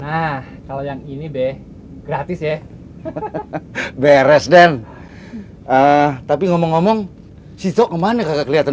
nah kalau yang ini be gratis ya beres dan tapi ngomong ngomong si jok kemana kakak kelihatan